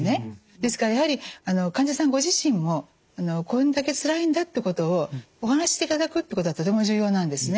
ですからやはり患者さんご自身もこれだけつらいんだってことをお話ししていただくということがとても重要なんですね。